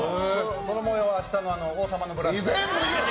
その模様、明日の「王様のブランチ」で。